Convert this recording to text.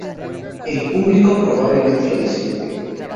El público probablemente lo disfrute.